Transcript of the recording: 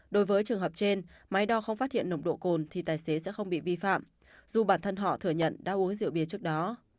đối với trường hợp trên máy đo không phát hiện nồng độ cồn thì tài xế sẽ không bị vi phạm dù bản thân họ thừa nhận đã uống rượu bia trước đó